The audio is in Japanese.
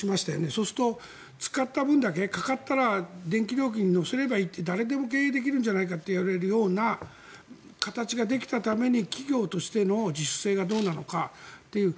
そうすると使った分だけ、かかったら電気料金に乗せればいいって誰でも経営できるような形ができたために企業としての自主性がどうなのかという。